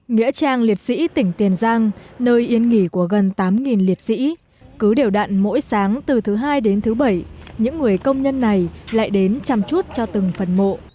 nghĩa trang liệt sĩ tỉnh tiền giang nơi yên nghỉ của gần tám liệt sĩ cứ đều đạn mỗi sáng từ thứ hai đến thứ bảy những người công nhân này lại đến chăm chút cho từng phần mộ